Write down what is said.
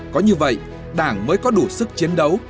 có như vậy đảng mới có đủ sức chiến đấu